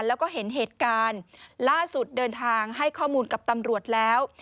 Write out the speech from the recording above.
แล้วก็เห็นเหตุการณ์ล่าสุดเดินทางให้ข้อมูลกับตำรวจแล้ว